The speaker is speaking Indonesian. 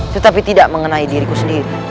tetapi tidak mengenai diriku sendiri